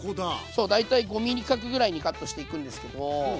そう大体５ｍｍ角ぐらいにカットしていくんですけど。